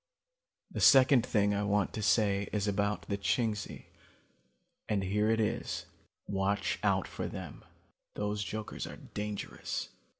"The second thing I want to say is about the Chingsi, and here it is: watch out for them. Those jokers are dangerous.